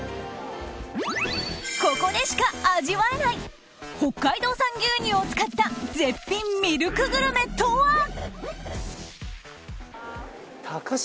ここでしか味わえない北海道産牛乳を使った絶品ミルクグルメとは？